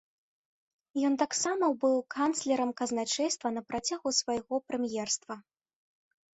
Ён таксама быў канцлерам казначэйства на працягу свайго прэм'ерства.